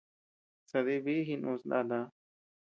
Sadï biʼi jiinus nata.